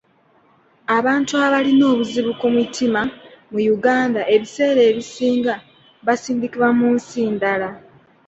Abantu abalina obuzibu ku mitima mu Uganda ebiseera ebisinga basindikibwa mu nsi ndala.